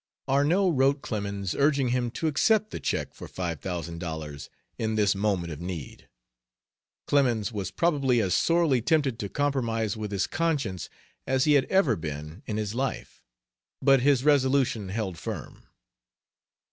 Arnot wrote Clemens urging him to accept the check for five thousand dollars in this moment of need. Clemens was probably as sorely tempted to compromise with his conscience as he had ever been in his life, but his resolution field firm.